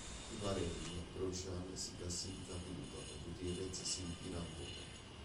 In Bahrein Grosjean si classifica quinto, e Gutiérrez si ritira ancora.